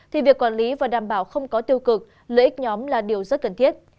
thì việc quản lý và đảm bảo không có tiêu cực lợi ích nhóm là điều rất cần thiết